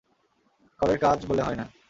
কলের কাজ বলে হয় না।